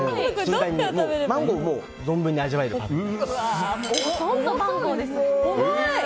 マンゴーが存分に味わえます。